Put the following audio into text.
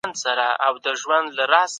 زراعتي نظام په یو بشپړ صنعتي نظام بدل سو.